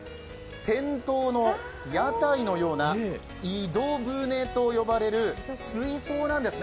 店頭の屋台のような井戸船と呼ばれる水槽なんです。